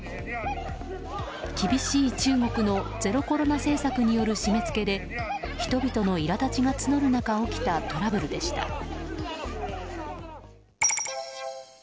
厳しい中国のゼロコロナ政策による締め付けで人々の苛立ちが募る中起きたトラブルでした。